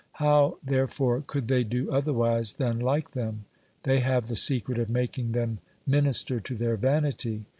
How, therefore, could they do otherwise than like them ? They have the secret of making them minister to their vanity.